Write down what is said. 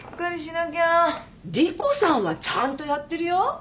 莉湖さんはちゃんとやってるよ。